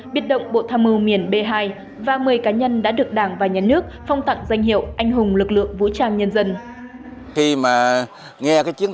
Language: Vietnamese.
biệt động bộ tham mưu miền b hai và một mươi cá nhân đã được đảng và nhân nước phong tặng danh hiệu anh hùng lực lượng vũ trang nhân dân